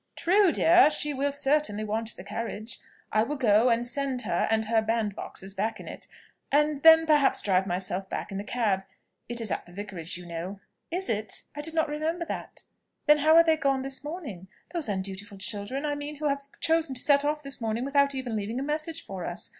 "True, dear, she will certainly want the carriage: I will go, and send her and her bandboxes back in it and then, perhaps, drive myself back in the cab. It is at the Vicarage, you know." "Is it? I did not remember that. Then how are they gone this morning? those undutiful children, I mean, who have chosen to set off this morning without even leaving a message for us.